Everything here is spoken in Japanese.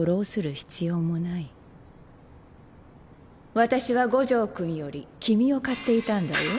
私は五条君より君を買っていたんだよ。